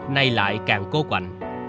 nay lại càng cố quạnh